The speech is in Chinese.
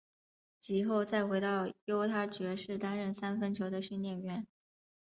及后再回到犹他爵士担任三分球的训练员。